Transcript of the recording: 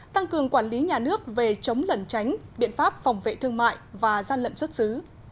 tăng cường quản lý nhà nước về chống lẩn tránh biện pháp phòng vệ thương mại và gian lận xuất xứ